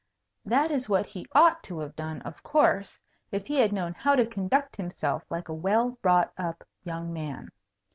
That is what he ought to have done, of course, if he had known how to conduct himself like a well brought up young man.